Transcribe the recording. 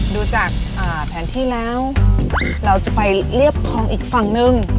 ดูจากแผนที่แล้วเราจะไปเรียบคลองอีกฝั่งนึง